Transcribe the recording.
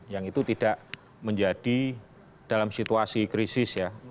yang itu tidak menjadi dalam situasi krisis ya